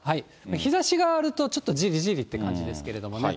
日ざしがあると、ちょっとじりじりって感じですけれどもね。